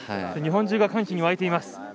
日本中が歓喜に沸いています。